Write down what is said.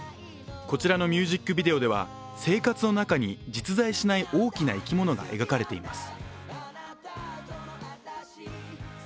こちらのミュージックビデオでは生活の中に、実在しない大きな生き物が描かれています。